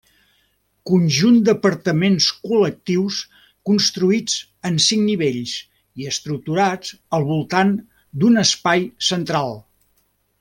Conjunt d'apartaments col·lectius construïts en cinc nivells i estructurats al voltant d'un espai central.